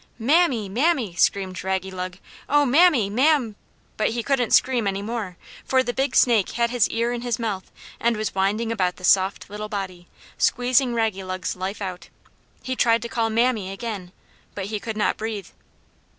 "Mammy, Mammy!" screamed Raggylug. "Oh, Mammy, Mam " But he couldn't scream any more, for the big snake had his ear in his mouth and was winding about the soft little body, squeezing Raggylug's life out. He tried to call "Mammy!" again, but he could not breathe.